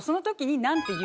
何て言う？